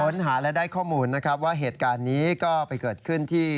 ค้นหาและได้ข้อมูลนะครับว่าเหตุการณ์นี้ก็ไปเกิดขึ้นที่